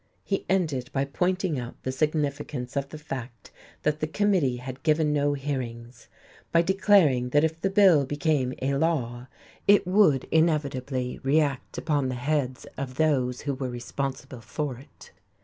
He ended by pointing out the significance of the fact that the committee had given no hearings; by declaring that if the bill became a law, it would inevitably react upon the heads of those who were responsible for it.